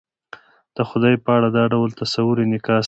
د خدای په اړه دا ډول تصور انعکاس دی.